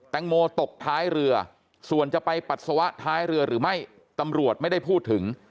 แตงโมตกท้ายเรือส่วนจะไปปัสสาวะท้ายเรือหรือไม่ตำรวจไม่ได้พูดถึง